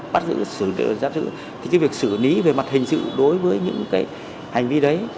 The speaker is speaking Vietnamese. bắt giữ giáp giữ thì việc xử lý về mặt hình sự đối với những hành vi đấy